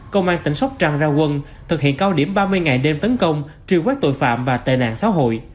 công an tỉnh sóc trăng ra quân thực hiện cao điểm ba mươi ngày đêm tấn công truy quét tội phạm và tệ nạn xã hội